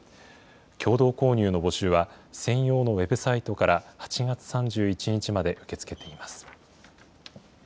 共同購入の募集は専用のウェブサイトから８月３１日まで受け付けています。